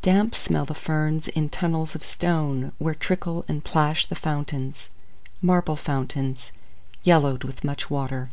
Damp smell the ferns in tunnels of stone, Where trickle and plash the fountains, Marble fountains, yellowed with much water.